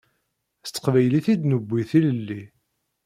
S teqbaylit i d-newwi tilelli.